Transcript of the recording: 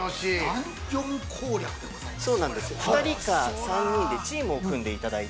◆ダンジョン攻略でございますか？